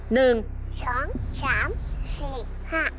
หนึ่งสองสามสี่ห้า